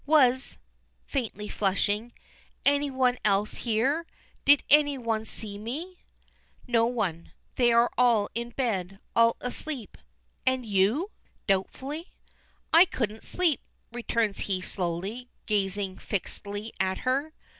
"Was," faintly flushing, "any one else here? Did any one see me?" "No one. They are in bed; all asleep." "And you?" doubtfully. "I couldn't sleep," returns he slowly, gazing fixedly at her.